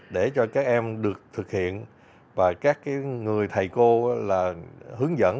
để cho các em được thực hiện và các người thầy cô là hướng dẫn